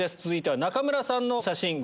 続いては中村さんの写真。